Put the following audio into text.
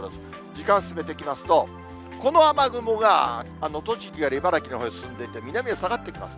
時間進めていきますと、この雨雲が栃木やら茨城のほうへ進んでいって、南へ下がっていきます。